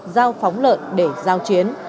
dao phóng lợn để giao chiến